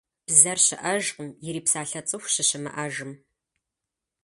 Бзэр щыӀэжкъым, ирипсалъэ цӀыху щыщымыӀэжым.